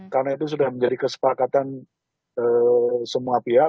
karena itu sudah menjadi kesepakatan semua pihak